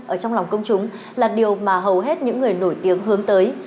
ở trong lòng công chúng là điều mà hầu hết những người nổi tiếng hướng tới